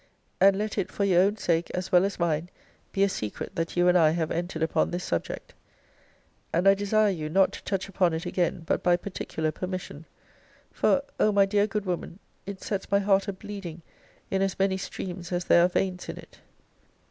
And let it, for your own sake, as well as mine, be a secret that you and I have entered upon this subject. And I desire you not to touch upon it again but by particular permission: for, O my dear, good woman, it sets my heart a bleeding in as many streams as there are veins in it!